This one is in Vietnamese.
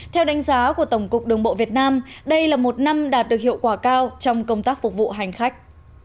theo đánh giá của tổng cục đường bộ việt nam đây là một năm đạt được hiệu quả cao trong công tác phục vụ hành khách